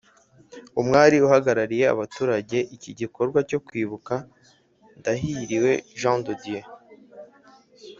Uwari uhagarariye abateguye iki gikorwa cyo Kwibuka Ndahiriwe Jean de Dieu